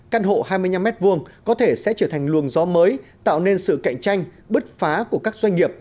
căn hộ hai mươi năm m hai có thể sẽ trở thành luồng gió mới tạo nên sự cạnh tranh bứt phá của các doanh nghiệp